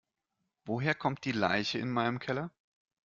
Woher kommt die Leiche in meinem Keller?